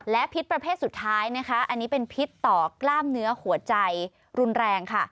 และพิษประเภทสุดท้ายนะคะอันนี้เป็นพิษต่อกล้ามเนื้อหัวใจรุนแรงค่ะ